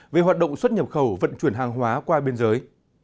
về hoạt động xuất nhập khẩu vận chuyển hàng hóa qua biên giới